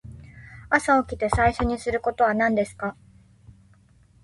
朝起きて最初にすることは何ですか。